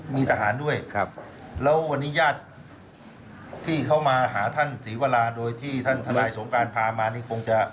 มีทหารด้วยครับแล้ววันนี้ญาติที่เขามาหาท่านศรีวราโดยที่ท่านทนายสงการพามานี่คงจะ